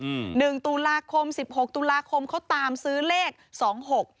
อืมหนึ่งตุลาคมสิบหกตุลาคมเขาตามซื้อเลขสองหก